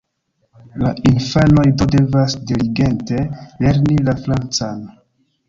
La infanoj do devas diligente lerni la francan.